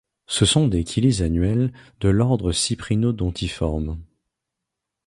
Ce sont des killies annuels, de l'ordre Cyprinodontiformes.